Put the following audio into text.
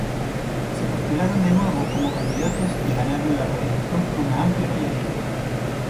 Se postularon de nuevo como candidatos y ganaron la reelección por una amplia mayoría.